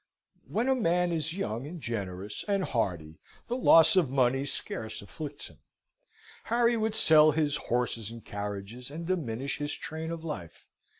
When a man is young and generous and hearty the loss of money scarce afflicts him. Harry would sell his horses and carriages, and diminish his train of life.